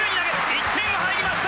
１点が入りました。